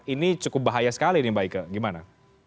ini cukup bahaya sekali nih mbak ika gimana